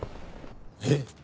えっ？